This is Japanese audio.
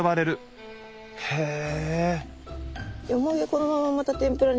へえ！